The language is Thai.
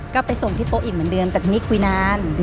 ก็ไปส่งที่โป๊ะอีกเหมือนเดิมแต่ทีนี้คุยนาน